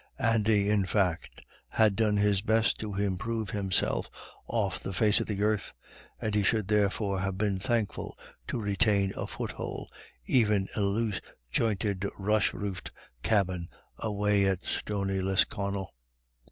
Andy, in fact, had done his best to improve himself off the face of the earth, and he should therefore have been thankful to retain a foothold, even in a loose jointed, rush roofed cabin away at stony Lisconnel.